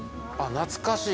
懐かしい？